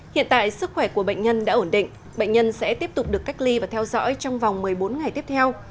hiện tại sức khỏe của bệnh nhân đã ổn định bệnh nhân sẽ tiếp tục được cách ly và theo dõi trong vòng một mươi bốn ngày tiếp theo